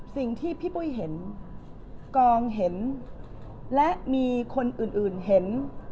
สิ่งที่พี่ปุ้ยเห็นกองเห็นและมีคนอื่นเห็น